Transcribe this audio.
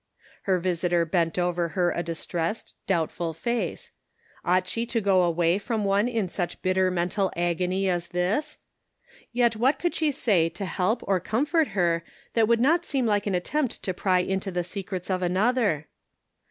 Her visitor bent over her a distressed, doubt ful face ; ought she to go away from one in such bitter mental agony as this? Yet what could she say to help or comfort her that would not seem like an attempt to pry into the secrets of another